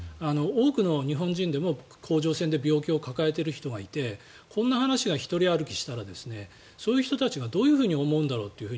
多くの日本人でも甲状腺で病気を抱えている人がいてこんな話が独り歩きしたらそういう人たちがどう思うんだろうって